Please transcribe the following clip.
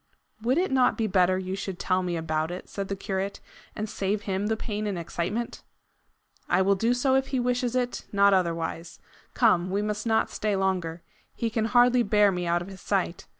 "Would it not be better you should tell me about it," said the curate, "and save him the pain and excitement?" "I will do so, if he wishes it, not otherwise. Come; we must not stay longer. He can hardly bear me out of his sight.